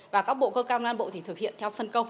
và các bộ cơ quan an bộ thực hiện theo phân công